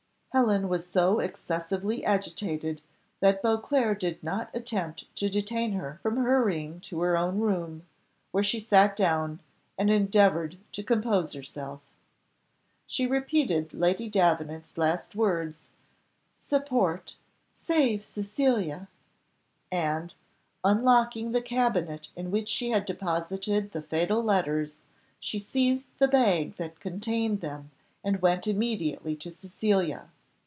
Helen was so excessively agitated that Beauclerc did not attempt to detain her from hurrying to her own room, where she sat down, and endeavoured to compose herself. She repeated Lady Davenant's last words, "Support, save Cecilia," and, unlocking the cabinet in which she had deposited the fatal letters, she seized the bag that contained them, and went immediately to Cecilia.